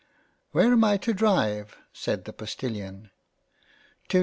" Where am I to Drive ?" said the Postilion.